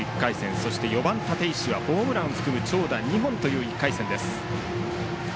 そして４番、立石はホームランを含む長打があった１回戦です。